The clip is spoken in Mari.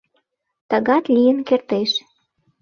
Тыгат лийын кертеш.